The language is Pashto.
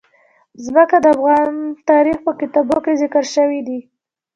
ځمکه د افغان تاریخ په کتابونو کې ذکر شوی دي.